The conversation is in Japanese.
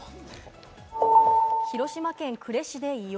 広島県呉市で異音。